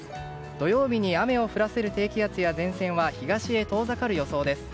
土曜日に雨を降らせる低気圧や前線は東へ遠ざかる予想です。